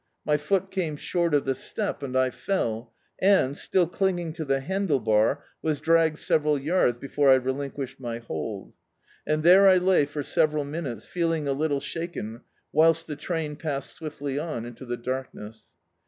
My foot came short of the step, and I fell, and, still clinging to the handle bar, was dragged several yards before I relinquished my hold. And there I lay for sev eral minutes, feeling a little shaken, whilst the train passed swiftly <»i into the darkness.